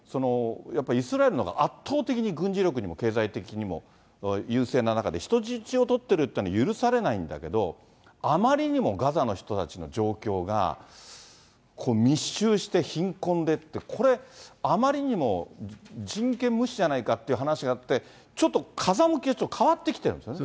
やっぱりイスラエルのが圧倒的に軍事力にも経済的にも優勢な中で、人質をとってるっていうのは許されないんだけど、あまりにもガザの人たちの状況が、密集して貧困でって、これ、あまりにも人権無視じゃないかっていう話があって、ちょっと風向きがちょっと変わってきてるんですね。